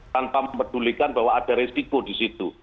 tanpa memedulikan bahwa ada risiko di situ